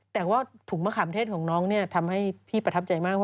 แต่ว่าถุงมะขามเทศของน้องเนี่ยทำให้พี่ประทับใจมาก